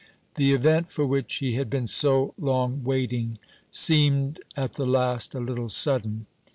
The event for which he had been so long waiting seemed at the last a little sudden.